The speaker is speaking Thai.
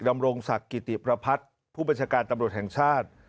ดำรงศักดิ์กิติประพัฒน์ผู้บัญชาการตำรวจแห่งชาติ